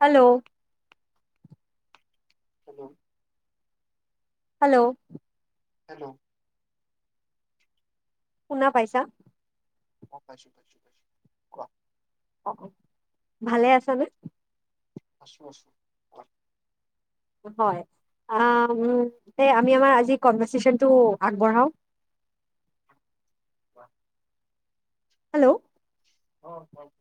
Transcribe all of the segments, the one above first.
Hello [unintelligible] hello hello hello শুনা পাইছা? ম পাইছোঁ-পাইছোঁ-পাইছোঁ কোৱা? অ' ভালে আছা নে? আছো আছো। হয়, আম-তে আমি আমাৰ আজি কনভাৰছেচনটো আগবঢ়াও। [inaudible] হেল্ল'? উ অ [unintelligible]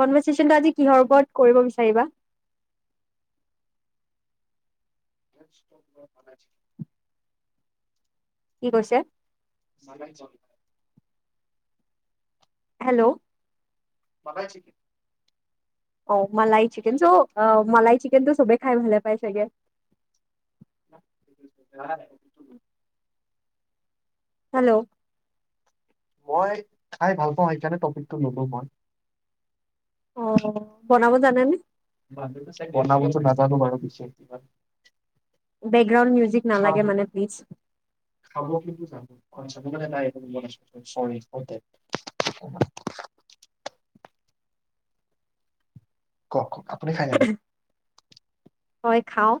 কনভিছেচনটো কিহৰ ওপৰত কৰিব বিচাৰিবা? [unintelligible] কি কৈছে? মাল চল [unintelligible] হেল্ল'? ভালাই চ' কি? অ' মালাই চিকেন চ' অ' মালাই চিকেনটো চবে খাই ভালে পায় চাগে । খালা নি? হেল্লো' মই খাই ভাল পাওঁ সেইকাৰণে টপিকটো ললো মই । অ' বনাব জানে নে? বনাবতো নাজানো বাৰু পিছে। বেকগ্ৰাউণ্ড মিউজিক নালাগে মানে প্লিজ। খাব কিন্তু জানো আচ্ছা, নাই এতিয়া ৰুমত আছো চৰি ফৰ ডেট । ক-ক-ক আপুনি খাই নে নাই? হয় খাও,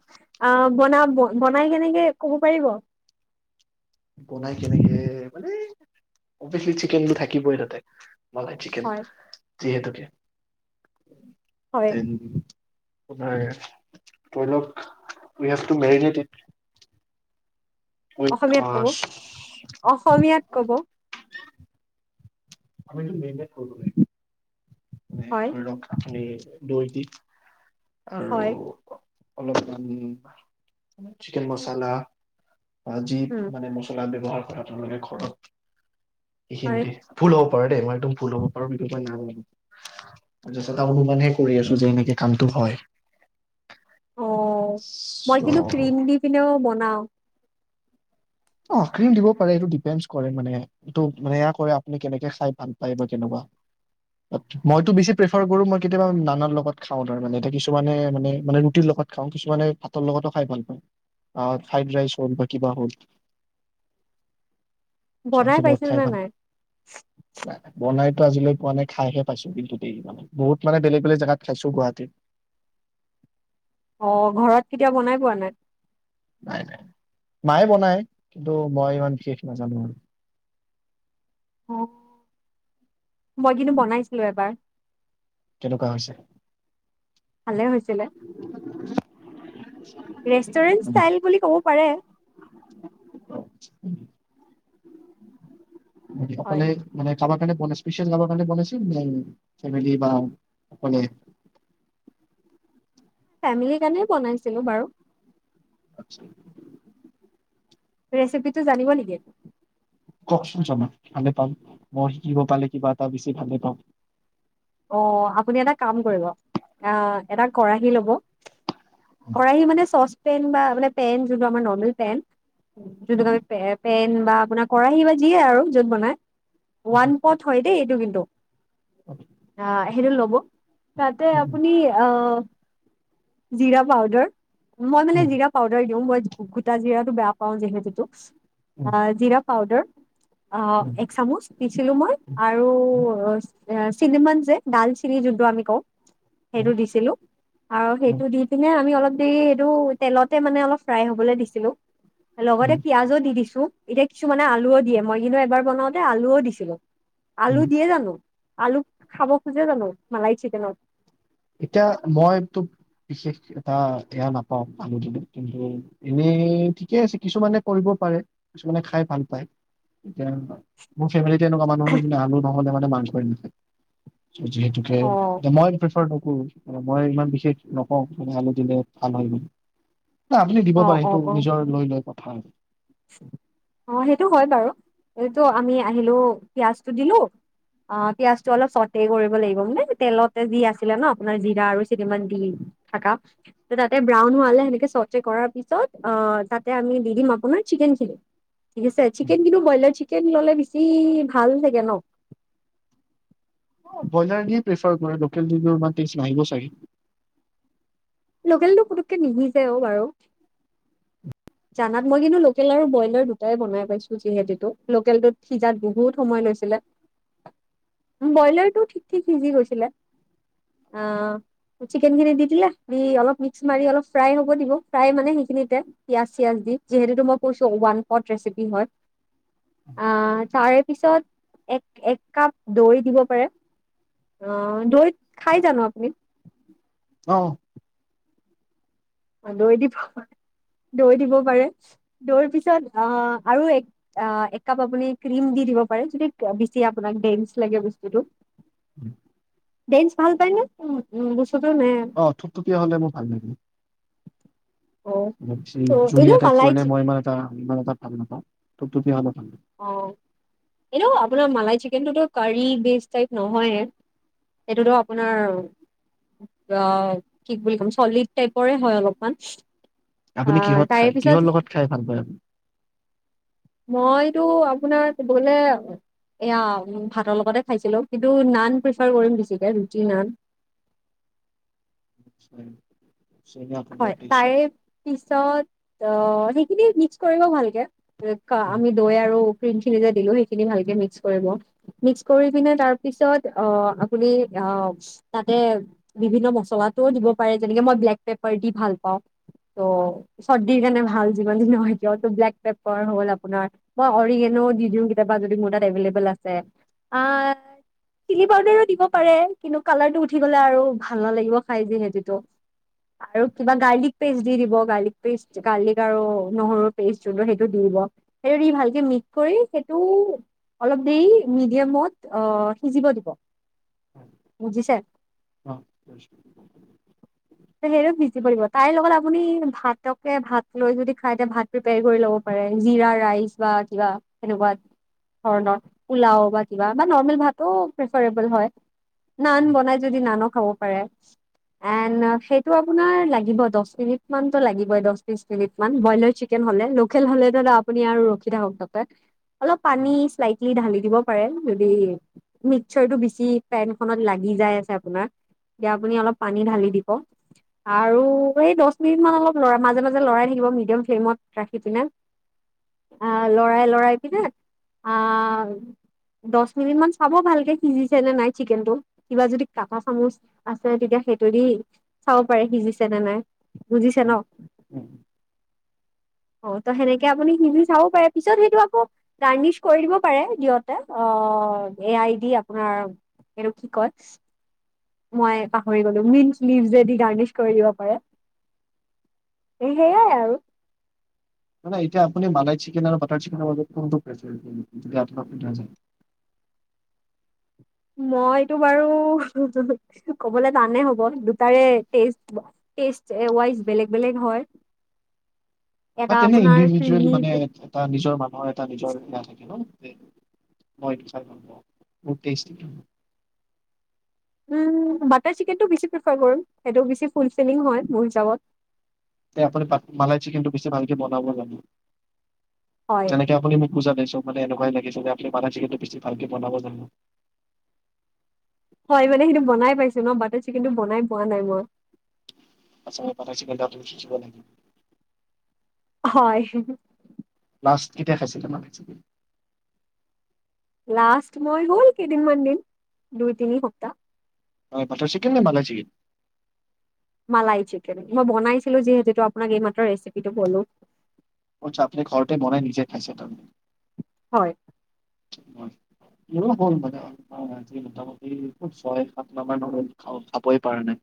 আহ বনা বনাই কেনেকে ক'ব পাৰিব? বনাই কেনেকে মানে অভিয়াচলি চিকেনো থাকিবই তাতে । মলাই চিকেন হয় যিহেতুকে। হয় [inaudible] ধৰি লওক উই হেভ টু মেৰিনেটেত অসমীয়াত ক'ব, অসমীয়াত ক'ব। আমিটো মেৰিনেট কৰিলো এ। হয় ধৰিলক আপুনি। দৈ দি আৰু হয় ক'ক। অলপমান চিকেন মচালা। উম ভাজিত মানে মছলা ব্যৱহাৰ। আপোনালোকে ঘৰত । হয় এইখিনতে ফুল হ'ব। হয়দে মই একদম ভুল হ'ব পাৰো [unintelligible] যচটা অনুমানে কৰি আছো যে এনেকে কামটো হয় । অ' মই কিন্তু ক্ৰীম দি পিনেও বন আহ্। অ' ক্ৰিম দিব পাৰেটো ডিপেণ্ট কৰে মানে এইটো মানে এয়া কৰে আপুনি কেনেকে খাই ভাল পায় বা কেনেকুৱা মইটো বেছি প্ৰিফাৰ কৰো মই কেতিয়াবা নানাৰ লগত খাওঁ তাৰে এ কিছুমানে মানে মে ৰুটিৰ লগত খাওঁ কিছুমানে ভাতৰ লগতো খাই ভাল পায় ফ্ৰাইড ৰাইচ হ'ল বা কিবা হ'ল। [unintelligible] বনাই পাইছিলো নে নাই বনাই। আজিলৈ পোৱা নাই খাইহে পাইছো কিন্তু দেই মানে বহুত মানে বেলেগ বেলেগ জেগাত খাইছো গুৱাহাটীৰ । অ' ঘৰত কেতিয়াও বনাই পোৱা নাই। মায়ে বনাই কিন্তু মই ইমান বিশেষ নাজানো আৰু । অ' মই কিন্তু বনাইছিলো এবাৰ । তেনেকুৱা হৈছে । ভালে হৈছে । Restaurant um. ষ্টাইল বুলি ক'ব পাৰে । মান হয় অকলে মানে খাবাৰ কাৰনে বন স্পিইয়ল খাবাৰ কাৰনে চব মিলি বা মানে ফেমিলিৰ কাৰণেই বনাইছিলো বাৰু আা [unintelligible] ৰেচিপিটো জানিব নেকি? কওকচোন চমাক ভালে পাম মই শিকিব পালে কিবা এটা বেছি ভালে পাম । অ 'আপুনি এটা কাম কৰিব আহ - এটা কেৰাহী ল'ব। কৰাৰাহি মানে চচ পেন বা মানে পেন যোনটো আমাৰ নৰ্মেল পেন যদি কি প পেন বা আপোনাৰ কৰাহি বা যিয়ে আৰু য'ত বনাই ওৱান পথ হয় দেই এইটো কিন্তু অ আহ সেইটো লব তাতে আপুনি আহ জিৰা পাউদাৰ মই মানে উম, জিৰা পাউদাৰ দিওঁ মই কুকুটা জিৰাটো বয়া পাওঁ যিহেতুতো উম, আঁ -জিৰা পাউডাৰ। অ', উম, এক চামুচ দিছিলো মই আৰু উম, চিনমান যে ডালচিনি যোনটো আমি কওঁ। উম, সেইটো দিছিলো আৰু উম, সেইটো দি পিনে আমি অলপ দ এইটো তেলতে মানে অলপ ফ্ৰাই হবলৈ দিছিলো । লগতে উম, পিয়াজো দি দিছো । এতিয়া কিছুমানে আলুও দিয়ে মই কিন্তু এবাৰ বনাওতে আলুও দিছিলো । আলু উম। দিয়ে জানো? আলু খাব খোজে জানো মালাই চিকেনত? এতিয়া মইতো বিশেষ আ -এটা এয়া নাপাওঁ আলু কিন্তু এনে ঠিকে আছে কিছুমানে কৰিব পাৰে কিছুমানে খাই ভাল পায় এতিয়া মোৰ ফেমলি তেনেকুৱা মানুহে আলু বা মানে মা কৰি নাছিল [inaudible] যিহেতুে অ মই উম ', মই ইমান বিশষ নকওঁ তুমি আলু দিলে ভাল হয় ই ন আপুনি দিব অ পাৰে অ সেইটো অ নিজৰ লৈ লৈ কথা। অ সেইটো হয় বাৰু এইটো আমি আহিলো পিয়াজটো দিলো অ পিয়াজটো অলপ চট কৰিব লাগিব মানে তেলতে যি আছিলে ন আপোনাৰ জিৰা আৰু চিমান দি থকা তাতে ব্ৰাউন হালে সেনেকে চট কৰাৰ পিছত অ তাতে আমি দি দিম আপোনাৰ। চিকেন খিনি ঠিক আছে উম। চিকেন কিনো ব্ৰইলাৰ চিকেন ললে বেছি -ভাল লাগে ন? ব্ৰইলাৰ দিয়ে প্ৰেফাৰ কৰে লোকেল দিলেও ইমান টেষ্ট নাহিব চাগে ৷ লোকেলটো পুটুককে নিসিজেও বাৰু জানাত মই কিন্তু লোকেল আৰু ব্ৰইলাৰ দুটাই বনাই পাইছো যিহেতু লোকেলটোত সিজাত বহুত সময় লৈছিলে বইলাৰটো ঠিক-ঠিক সিজি গৈছিলে আহ চিকেন খিনি দি দিলে আপুনি অলপ মিক্স মাৰি অলপ ফ্ৰাই হ'ব দিব, ফ্ৰাই মানে সেইখিনিতে পিয়াঁজ-চিয়াজ দি যিহেতুটো মই কৈছোঁ ওৱান পট ৰেচিপি হয়, আ তাৰে পিছত এক-এক কাপ দৈ দিব পাৰে। দৈ খাই জানো আপুনি? অহ! দৈ দিব পাৰে, দৈ দিব পাৰে। দৈ পিছত আৰু একাপ আপুনি ক্ৰীম দি দিব পাৰে। যদি বেছি আপোনাক ডেনছ লাগে বস্তুটো! ডেনছ ভাল পায় নে? বস্তুটো নে অ থুপথুপীয়া হলে মোৰ ভাল লাগিল। অ ত জুলীয়া এনেও টাইপ মালাই কৰিলে চিকেন, মই ইমান এটা ইমান এটা ভাল নাপাওঁ থুপথূপিয়া হলে ভাল । অ এইটো আপোনাৰ মালাই চিকেনটোতো কাৰী বেচ টাইপ নহয়ে এইটোতো আপোনাৰ অ কি বুলি কম চলিড টাইপৰে হয় অলপমান। আপুনি আহ কিহত তাৰে খায়? পিছত কিহৰ লগত খাই ভাল পায় আপুনি? মইতো আপোনাৰ ক'বলে এইয়া ভাতৰ লগতে খাইছিলো কিন্তু নান প্ৰেফাৰ কৰিম বেছিকে, ৰুটি নান। চেনীয়া কলৰ হয় টেষ্টটো। তাৰে পিছত ত সেইখিনি মিক্স কৰিব ভালকে। কা আমি দৈ আৰু জোনখিনি যে দিলোঁ সেইখিনি ভাল দৰে মিক্স কৰিব ।মিক্স কৰি কেনে তাৰ পিছত অ' আপুনি অ' তাতে বিভিন্ন মচলাটোও দিব পাৰে যেনেকৈ মই ব্লেক পেপাৰ দি ভাল পাওঁ, ত' চৰ্দি কাৰণে ভাল যিমান যি নহওঁক এতিয়া ব্লেক পেপাৰ হল আপোনাৰ মই অৰিগেন' দি দিও কেতিয়াবা, যদি মোৰ তাত এভেলেবল আছে। আ চিলি পাউডাৰো দিব পাৰে, কিন্তু কালাৰটো উঠি গ'লে আৰু ভাল নালাগিব খাই যিহেতুতো আৰু কিবা গাৰ্লিক পেষ্ট দি দিব গাৰ্লিক পেষ্ট গাৰ্লিক আৰু নহৰুৰ পেষ্ট যোনটো সেইটো দি দিব সেইটো দি ভালকে মিক্‌ কৰি সেইটো অলপ দেৰি মিডিয়ামত অ সিজিব দিব বুজিছে? অঁ কৰিছিলো ৷ সেইটো সিজিব দিব তাৰ লগত আপুনি ভাতকে ভাত লৈ যদি খাই তেতিয়া ভাত প্ৰিপাৰ কৰি লব পাৰে, জিৰা ৰাইচ বা কিবা সেনেকুৱা ধৰণৰ পোলাও বা কিবা বা নৰ্মেল ভাতো প্ৰিফাৰেবুল হয় নান বনাই যদি নানো খাব পাৰে এন সেইটো আপোনাৰ লাগিব দচ মিনিট মানতো লাগিবই দচ বিচ মিনিট মান ব্ৰইলাৰ চিকেন হ'লে লোকেল হ'লেতো আপুনি আৰু ৰখি থাকক তাতে ৷ অলপ পানী স্লাইটলি ঢালি দিব পাৰে, যদি মিক্সাৰটো বেছি পেন খনত লাগি যায় আছে আপোনাৰ তেতিয়া আপুনি অলপ পানী ঢালি দি আৰু এই দচ মিনিট মান অলপ লৰা মাজে মাজে লৰাই থাকিব মিডিয়াম ফ্লেমত ৰাখি পিনে আহ লৰাই-লৰাই পিনে আহ দচ মিনিট মান চাব ভালকে সিজিছে নে নাই চিকেনটো কিবা যদি কাটা চামুচ আছে তেতিয়া সেইটোৱে দি চাব পাৰে সিজিছে নে নাই। বুজিছে ন? অ' ত' হেনেকে আপুনি হিন্দি চাব পাৰে, পিছত সেইটো আকৌ গাৰ্নিছ কৰি দিব পাৰে দিয়তে, এআই দি আপোনাৰ সেইটো কি কয় মই পাহৰি গলো মিনছ-মিনছ যদি গাৰ্নিছ কৰি দিব পাৰে সেইয়াই আৰু। ন নে এতিয়া আপুনি মালাই চিকেন আৰু বাটাৰ চিকেনৰ মাজত কোনটো প্ৰিফেৱাৰ কৰিব যদি আপোনাক সোধাযায়? মইতো বাৰু ক'বলে তানেই হ'ব দুটাৰে টেষ্ট টেষ্টৱাইজ বেলেগ বেলেগ হয় ৷ হয় তেনে ইণ্ডিভিজুৱেল মানে এটা নিজৰ মানুহৰ এটা নিজৰ ৰায় থাকে ন! ম চট [unintelligible] উম বাটাৰ চিকেনটো বেছি প্ৰেফাৰ কৰিম সেইটো বেছি ফুলফিলিং হয় মোৰ হিচাপত ৷ এতিয়া আপুনি বা মালাই চিকেনটো বেছি ভালকে বনাব জানে। হয় যেনেকে আপুনি মোক বুজা পাইছে [unintelligible] এটো মানে এনেকুৱাই লাগিছে যে আপুনি মালাই ছিকেনটো বেছি ভালকে বনাব জানে। হয় মানে সেইটো বনাই পাইছো ন বাটাৰ চিকেনটো বনাই পোৱা নাই মই। আছ প কি [unintelligible] হয়। লাষ্ট কেতিয়া খাইছিলে মানে? লাষ্ট মই হ'ল কেইদিনমান দিন দুই-তিনি সপ্তাহ। হয় বাটাৰ চিকেন নে মালাই চিকেন? মালাই চিকেন মই বনাইছিলো যিহেতু আপোনাক এইমাত্ৰ ৰেচিপিটো কলো চাহ পানী ঘৰতে বনাই নিজে খাইছে তাৰ মানে হয়। মোৰো হল মানে আজি মোটামুটি ছয় সাত মাহ মান খাবই পাৰা নাই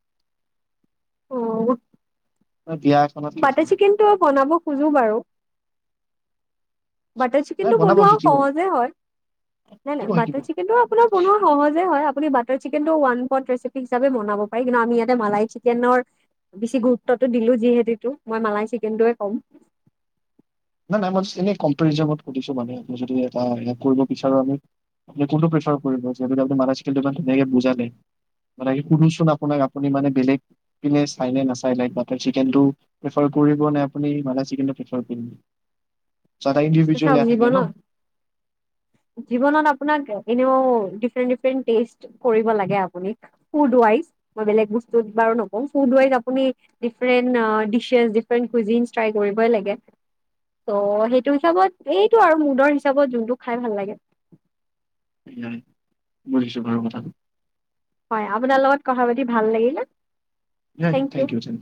অ মই বিয়া এখনত বাটাৰ খাইছিলো। চিকেনটো বনাব খোজোঁ বাৰু বাটাৰ চিকেন নাই টো বনাব বনোৱা শিকিব সহজে হয়, হয় নাই? নাই শিকিব শিকিব। বাটাৰ চিকেন টো আপোনাৰ বনোৱা সহজেই হয়। আপুনি বাটাৰ চিকেনটো ওৱান পইণ্ট ৰেচিপি হিচাপে বনাব পাৰে কিন্তু আমি ইয়াতে মালাই চিকেনৰ বেছি গুৰুত্বটো দিলো যিহেতু মই মালাই চিকেনটোৱে ক'ম নাই মই এনেই কম্পেৰিজনত সুধিছোঁ মানে আপুনি যদি কৰিব বিচাৰো আমি আপুনি কোনটো প্ৰেচাৰ কৰিব যে আপুনি বাটাৰ চিকেনটো ইমান ধুনীয়াকে বুজালে মানে কোনটো চ আপোনাৰ আপুনি মানে বেলেগ চায় নে নাচায় মানে আপুনি বাটাৰ চিকেনটো প্ৰিফাৰ কৰিব নে আপুনি মালাই চিকেনটো প্ৰিফাৰ কৰিব চ' এটা ইণ্ডিভিজুৱেল চাওক এয়া থাকে ন জীৱনত জীৱনত আপোনাক এনেও ডিফৰেন্ট ডিফন্ট টেষ্ট কৰিব লাগে আপুনি ফুড ৱাইজ, মই বেলেগ বস্তুত বাৰু নকওঁ। ফুড ৱাইজ আপুনি different dishes, different cuisine try কৰিবই লাগে সটো হিচাপত, এইটো আৰু মুদৰ হিচাপত যোনটো খাই ভাল লাগে সেয়াই বুজিছো বাৰু কথাটো। হয় আপোনাৰ লগত কথা পাতি ভাল লাগিলে নাই থেংক ইউ থেংক ইউ